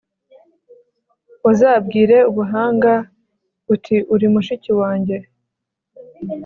uzabwire ubuhanga, uti uri mushiki wanjye